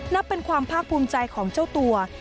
นับเป็นความภาคภูมิใจของเจ้าตัว